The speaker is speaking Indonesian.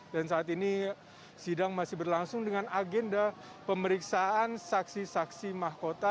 dan saat ini sidang masih berlangsung dengan agenda pemeriksaan saksi saksi mahkota